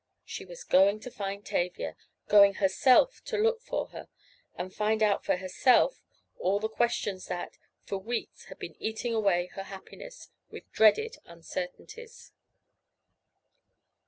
She was going to find Tavia—going herself to look for her, and find out for herself all the questions that, for weeks, had been eating away her happiness with dreaded uncertainties.